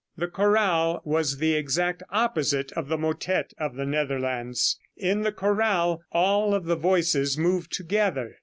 The chorale was the exact opposite of the motette of the Netherlands. In the chorale all of the voices moved together.